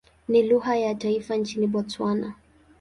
Ni lugha ya taifa nchini Botswana.